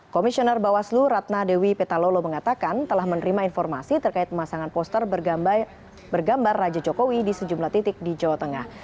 komisioner bawaslu ratna dewi petalolo mengatakan telah menerima informasi terkait pemasangan poster bergambar raja jokowi di sejumlah titik di jawa tengah